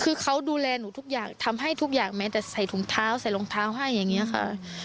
คือเขาดูแลหนูทุกอย่างทำให้ทุกอย่างแม้แต่ใส่ถุงเท้าใส่รองเท้าให้อย่างนี้ค่ะ